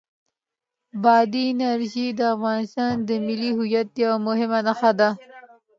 بادي انرژي د افغانستان د ملي هویت یوه مهمه نښه ده.